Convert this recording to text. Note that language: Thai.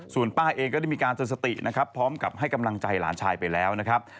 ส่วนป้าเองก็ได้มีการเตือนสตินะครับพร้อมกับให้กำลังใจหลานชายไปแล้วนะครับ